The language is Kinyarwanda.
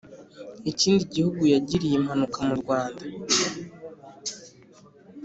ikindi gihugu yagiriye impanuka mu Rwanda